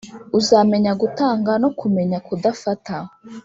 uzamenya gutanga no kumenya kudafata